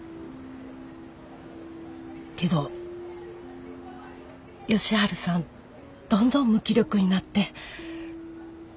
けど佳晴さんどんどん無気力になって。